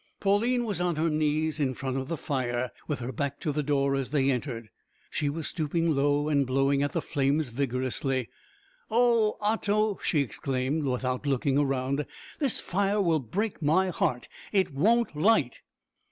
Pauline was on her knees in front of the fire, with her back to the door, as they entered. She was stooping low and blowing at the flames vigorously. "O Otto!" she exclaimed, without looking round, "this fire will break my heart. It won't light!"